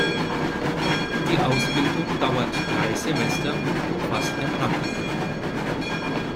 Die Ausbildung dauert drei Semester und umfasst ein Praktikum.